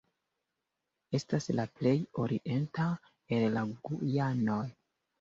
Estas la plej orienta el la Gujanoj.